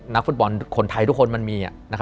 นักฟุตบอลคนไทยทุกคนมันมี